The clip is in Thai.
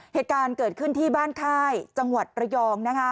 เหตุการณ์เกิดขึ้นที่บ้านค่ายจังหวัดระยองนะคะ